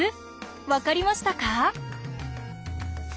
分かりましたか？